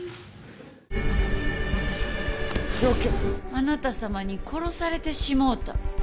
あなたさまに殺されてしもうた。